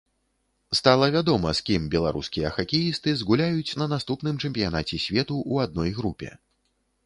Стала вядома, з кім беларускія хакеісты згуляюць на наступным чэмпіянаце свету ў адной групе.